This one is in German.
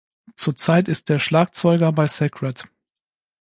Zurzeit ist er Schlagzeuger bei Sacred.